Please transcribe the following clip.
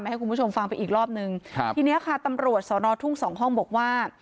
ให้คุณผู้ชมฟังไปอีกรอบนึงครับทีเนี้ยค่ะตำรวจสอนอทุ่งสองห้องบอกว่า